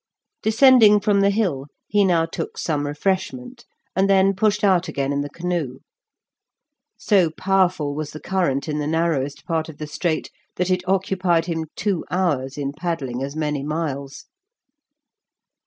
Descending from the hill he now took some refreshment, and then pushed out again in the canoe. So powerful was the current in the narrowest part of the strait that it occupied him two hours in paddling as many miles.